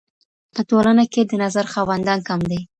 په ټولنه کي د نظر خاوندان کم دي.